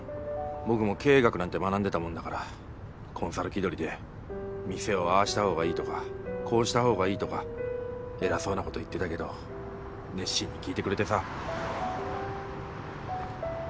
僕も経営学なんて学んでたもんだからコンサル気取りで店をああした方がいいとかこうした方がいいとか偉そうなこと言ってたけど熱心に聞いてくれてさ。